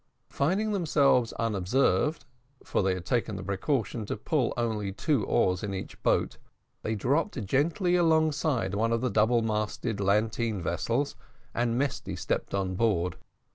Finding themselves unobserved, for they had taken the precaution to pull only two oars in each boat, they dropped gently alongside one of the double masted lateen vessels, and Mesty stepped on board.